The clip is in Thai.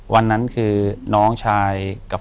อยู่ที่แม่ศรีวิรัยิลครับ